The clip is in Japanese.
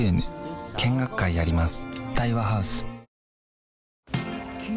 見学会やります［